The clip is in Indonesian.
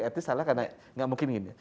etis salah karena enggak mungkin gini